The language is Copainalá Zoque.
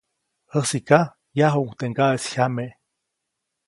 Jäsiʼka, yajuʼuŋ teʼ ŋgaʼeʼis jyame.